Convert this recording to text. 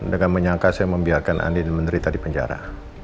dengan menyangka saya membiarkan andin menderita di penjara